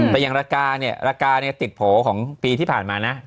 แต่อย่างละกาเนี่ยละกาเนี่ยติดโผของปีที่ผ่านมานะ